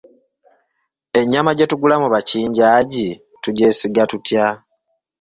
Ennyama gye tugula mu bakinjaaji tugyesiga tutya?